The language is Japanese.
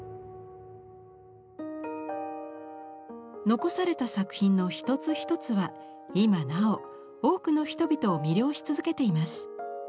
残された作品の一つ一つは今なお多くの人々を魅了し続けています。